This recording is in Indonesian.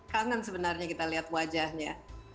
kangen sebenarnya kita lihat wajahnya